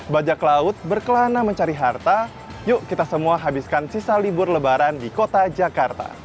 bajak laut berkelana mencari harta yuk kita semua habiskan sisa libur lebaran di kota jakarta